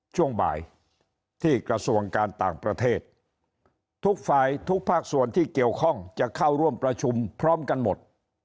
ช่วงบ่ายที่กระทรวงการต่างประเทศทุกฝ่ายทุกภาคส่วนที่เกี่ยวข้องจะเข้าร่วมประชุมพร้อมกันหมด